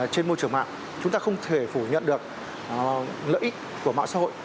trên môi trường mạng chúng ta không thể phủ nhận được lợi ích của mạng xã hội